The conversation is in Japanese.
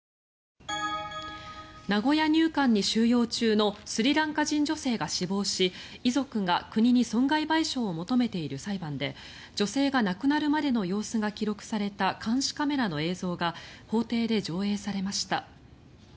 名古屋入管に収容中のスリランカ人女性が死亡し遺族が国に損害賠償を求めている裁判で女性が亡くなるまでの様子が記録された監視カメラの映像が法廷で上映されました。